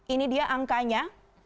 ini dia angkanya